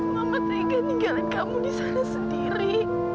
mama teringat tinggalkan kamu di sana sendiri